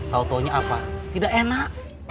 tau taunya apa tidak enak